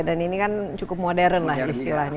dan ini kan cukup modern lah istilahnya